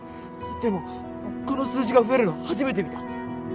でもこの数字が増えるの初めて見た。